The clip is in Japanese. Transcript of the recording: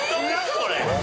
これ。